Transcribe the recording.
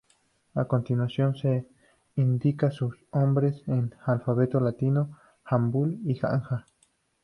A continuación se indican sus nombres en alfabeto latino, Hangul, y Hanja.